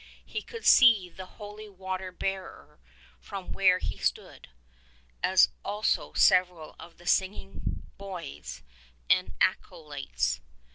He could see the holy water bearer from where he stood, as also several of the singing boys and acolytes.